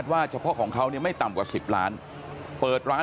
สวยชีวิตทั้งคู่ก็ออกมาไม่ได้อีกเลยครับ